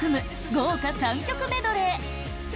豪華３曲メドレー！